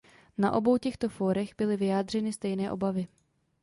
Na obou těchto fórech byly vyjádřeny stejné obavy.